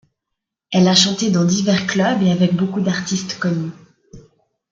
Elle a chanté dans divers clubs et avec beaucoup d'artistes connus.